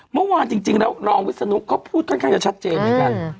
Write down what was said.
เมื่อวานจริงแล้วรองวิศนุเขาพูดค่อนข้างจะชัดเจนเหมือนกัน